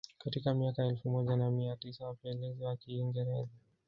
Katika miaka ya elfu moja na mia tisa wapelelezi wa Kiingereza